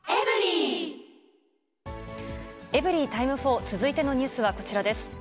エブリィタイム４、続いてのニュースはこちらです。